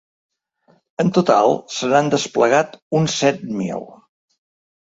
En total se n’han desplegat uns set mil.